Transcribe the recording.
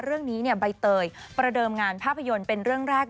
เรื่องนี้ใบเตยประเดิมงานภาพยนตร์เป็นเรื่องแรก